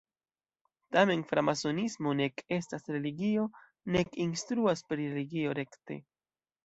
Tamen, framasonismo nek estas religio, nek instruas pri religio rekte.